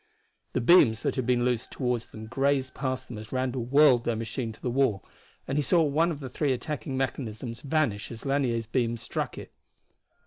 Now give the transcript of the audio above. The beams that had been loosed toward them grazed past them as Randall whirled their machine to the wall, and he saw one of the three attacking mechanisms vanish as Lanier's beams struck it.